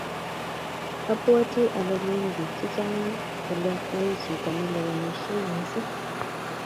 Abwoti ale lin bik che chang kole oi chito nelewenishei mising